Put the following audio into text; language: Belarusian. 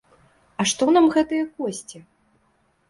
А што нам гэтыя косці?